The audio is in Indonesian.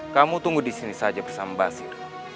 kamu tunggu disini saja bersama basir